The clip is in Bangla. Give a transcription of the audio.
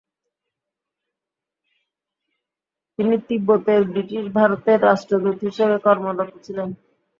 তিনি "তিব্বতের ব্রিটিশ ভারতের রাষ্ট্রদূত" হিসেবে কর্মরত ছিলেন।